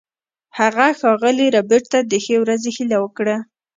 هغه ښاغلي ربیټ ته د ښې ورځې هیله وکړه